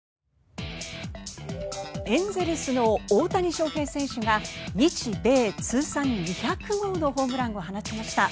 エンゼルスの大谷翔平選手が日米通算２００号のホームランを放ちました。